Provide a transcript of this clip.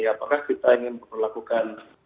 apakah kita ingin melakukan